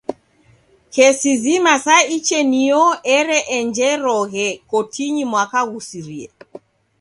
Kesi zima sa ichenio ereenjeroghe kotinyi mwaka ghusirie.